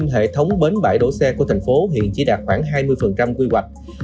năm hệ thống bến bãi đổ xe của thành phố hiện chỉ đạt khoảng hai mươi quy hoạch